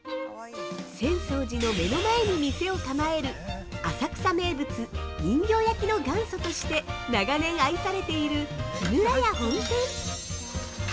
◆浅草寺の目の前に店を構える、浅草名物・人形焼の元祖として長年愛されている木村家本店。